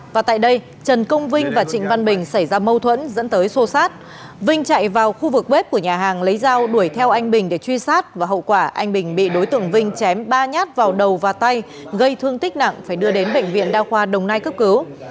và tại đây trần công vinh và trịnh văn bình xảy ra mâu thuẫn dẫn tới sô sát vinh chạy vào khu vực bếp của nhà hàng lấy dao đuổi theo anh bình để truy sát và hậu quả anh bình bị đối tượng vinh chém ba nhát vào đầu và tay gây thương tích nặng phải đưa đến bệnh viện đa khoa đồng nai cấp cứu